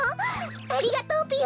ありがとうぴよ！